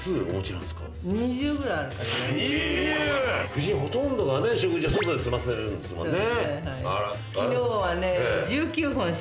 夫人ほとんどが食事は外で済まされるんですもんね。